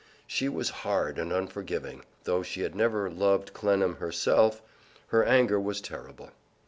She was hard and unforgiving. Though she had never loved Clennam herself, her anger was terrible.